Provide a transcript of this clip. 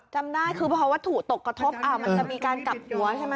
จำได้คือพอวัตถุตกกระทบมันจะมีการกลับหัวใช่ไหม